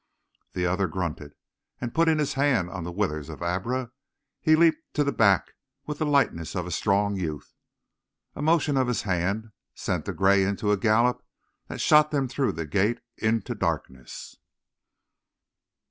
The other grunted, and putting his hand on the withers of Abra, he leaped to the back with the lightness of a strong youth. A motion of his hand sent the gray into a gallop that shot them through the gate into darkness.